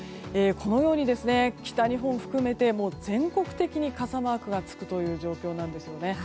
このように、北日本を含めて全国的に傘マークがつくという状況なんですね。